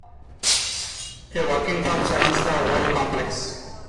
A walking path surrounds the whole complex.